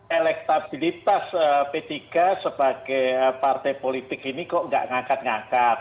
elektabilitas p tiga sebagai partai politik ini kok nggak ngangkat ngangkat